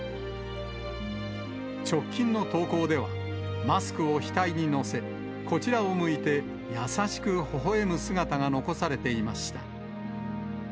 直近の投稿では、マスクを額に載せ、こちらを向いて優しくほほえむ姿が残されていました。